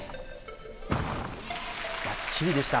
ばっちりでした。